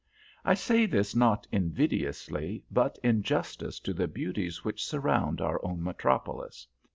I say this not invidiously, but in justice to the beauties which surround our own metropolis.